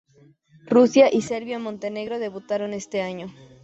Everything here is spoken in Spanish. Rusia y Serbia y Montenegro debutaron este año.